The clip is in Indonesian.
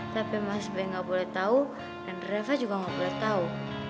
tapi mas be gak boleh tau dan reva juga gak boleh tau